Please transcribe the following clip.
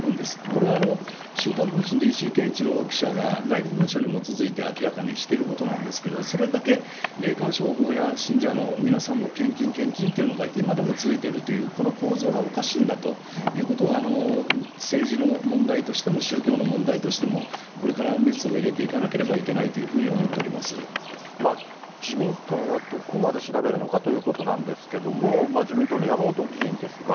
これは週刊文春で、いしいけんいちろう記者が内部文書に基づいて明らかにしてることなんですけど、それだけ霊感商法や信者の皆さんの献金、献金というのが今でも続いているという、この構造がおかしいんだということは政治の問題としても宗教の問題としても、これからメスを入れていかなければいけないというふうに思ってお自民党はどこまで調べるのかということなんですけれども、自民党の山本議員ですが。